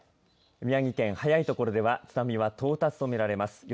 宮城県、早い所では津波は到達とみられます。